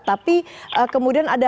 tapi kemudian ada halnya